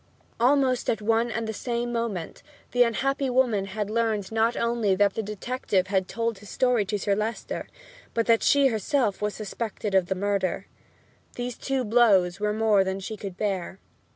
Almost at one and the same moment the unhappy woman had learned not only that the detective had told his story to Sir Leicester, but that she herself was suspected of the murder. These two blows were more than she could bear.